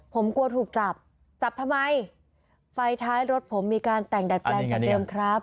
ผมกลัวถูกจับจับทำไมไฟท้ายรถผมมีการแต่งดัดแปลงจากเดิมครับ